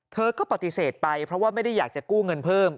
เธอก็ปฏิเสธไปเพราะว่าไม่ได้อยากจะกู้เงินเพิ่ม